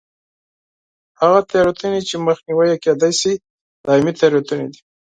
هغه تېروتنې چې مخنیوی یې کېدای شي دایمي تېروتنې دي.